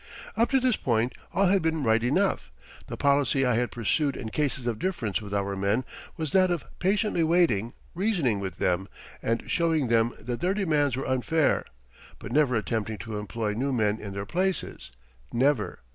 Up to this point all had been right enough. The policy I had pursued in cases of difference with our men was that of patiently waiting, reasoning with them, and showing them that their demands were unfair; but never attempting to employ new men in their places never.